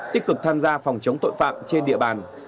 tích cực tham gia phòng chống tội phạm trên địa bàn